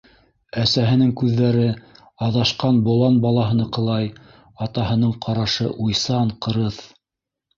Әсәһенең күҙҙәре аҙашҡан болан балаһыныҡылай, атаһының ҡарашы уйсан, ҡырыҫ...